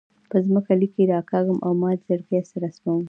په ځمکه لیکې راکاږم او مات زړګۍ رسموم